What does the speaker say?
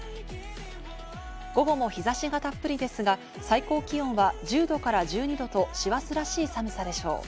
午後も日差しがたっぷりですが、最高気温は１０度から１２度と師走らしい寒さでしょう。